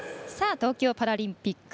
東京パラリンピック